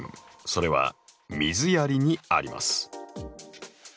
それは水やりにあります。